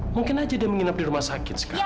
mungkin aja dia menginap di rumah sakit sekarang